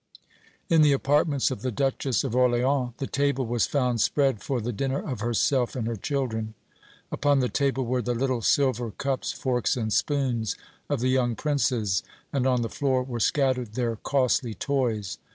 In the apartments of the Duchess of Orléans, the table was found spread for the dinner of herself and her children; upon the table were the little silver cups, forks and spoons of the young Princes, and on the floor were scattered their costly toys.